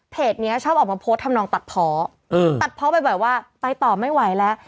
เพจเนี้ยชอบออกมาโพสต์ทำนองตัดเพราะอืมตัดเพราะแบบว่าไปต่อไม่ไหวแล้ว